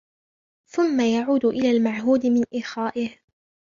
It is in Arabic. ثُمَّ يَعُودُ إلَى الْمَعْهُودِ مِنْ إخَائِهِ